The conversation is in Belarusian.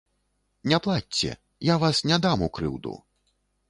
Не плачце, я вас не дам у крыўду.